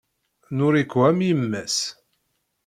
Noriko am yemma-s.